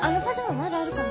まだあるかな？